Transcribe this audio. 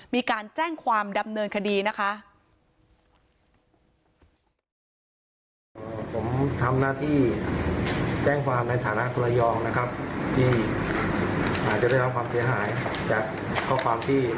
มีการแจ้งความดำเนินคดีนะคะ